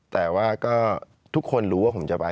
แต่ว่าก็ทุกคนรู้ว่าผมจะไป